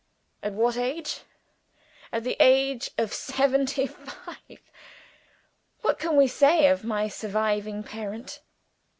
At what age? At the age of seventy five! What can we say of my surviving parent?